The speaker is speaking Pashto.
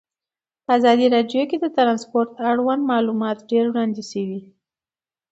په ازادي راډیو کې د ترانسپورټ اړوند معلومات ډېر وړاندې شوي.